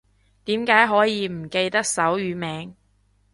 點解可以唔記得手語名